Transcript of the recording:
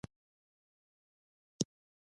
ویده انسان خوب ویني